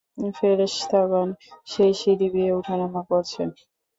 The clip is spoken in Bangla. ফেরেশতাগণ সেই সিঁড়ি বেয়ে ওঠানামা করছেন।